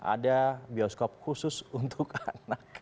ada bioskop khusus untuk anak